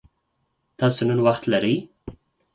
تاسو نن وخت لری؟